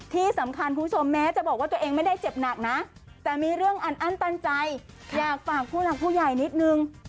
ที่สำคัญคุณผู้ชมแม้จะบอกว่าตัวเองไม่ได้เจ็บหนักนะแต่มีเรื่องอันอั้นตันใจอยากฝากผู้หลักผู้ใหญ่นิดนึง